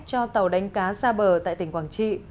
cho tàu đánh cá xa bờ tại tỉnh quảng trị